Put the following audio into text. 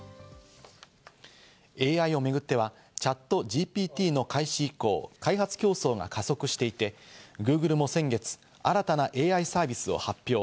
ＡＩをめぐってはＣｈａｔＧＰＴの開始以降、開発競争が加速していて、Ｇｏｏｇｌｅも先月、新たなＡＩサービスを発表。